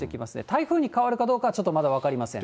台風に変わるかどうかは、まだ分かりません。